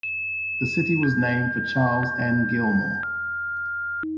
The city was named for Charles N. Gilmore.